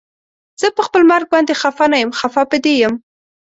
زه پخپل مرګ باندې خفه نه یم خفه په دې یم